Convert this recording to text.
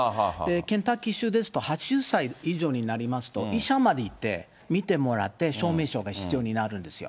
ケンタッキー州ですと、８０歳以上になりますと、医者まで行って診てもらって、証明書が必要になるんですよ。